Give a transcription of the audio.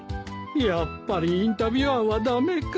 やっぱりインタビュアーは駄目か。